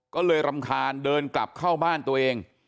ก็เลยรำคาญเดินกลับเข้าบ้านตัวเอง